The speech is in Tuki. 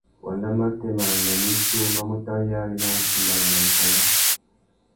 Wanda matê manônōh missú má mú taréyari nà wutimbāna nà wikangá.